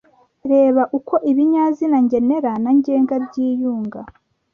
Reba uko ibinyazina ngenera na ngenga byiyunga: